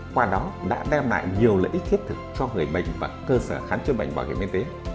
qua đó đã đem lại nhiều lợi ích thiết thực cho người bệnh và cơ sở khám chữa bệnh bảo hiểm y tế